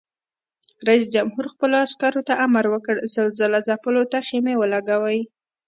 رئیس جمهور خپلو عسکرو ته امر وکړ؛ زلزله ځپلو ته خېمې ولګوئ!